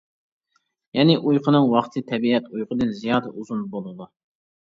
يەنى ئۇيقۇنىڭ ۋاقتى تەبىئەت ئۇيقۇدىن زىيادە ئۇزۇن بولىدۇ.